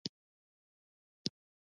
• د مجلس په منځ کې کښېنه.